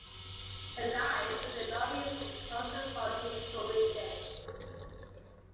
It lies within the Northeastern coastal forests ecoregion.